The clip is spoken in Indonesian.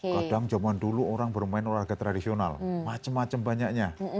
kadang zaman dulu orang bermain olahraga tradisional macam macam banyaknya